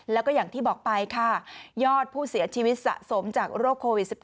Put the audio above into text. แล้วก็อย่างที่บอกไปค่ะยอดผู้เสียชีวิตสะสมจากโรคโควิด๑๙